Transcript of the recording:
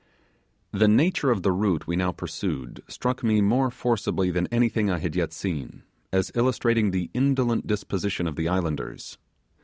The nature of the route we now pursued struck me more forcibly than anything I had yet seen, as illustrating the indolent disposition of the islanders.